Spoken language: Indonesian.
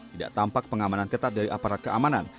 tidak tampak pengamanan ketat dari aparat keamanan